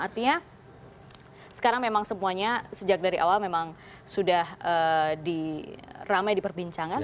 artinya sekarang memang semuanya sejak dari awal memang sudah di ramai di perbincangan